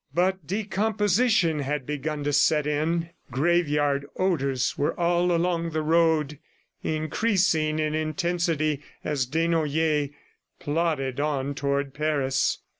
But decomposition had begun to set in. Graveyard odors were all along the road, increasing in intensity as Desnoyers plodded on toward Paris.